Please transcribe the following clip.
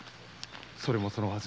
それもそのはず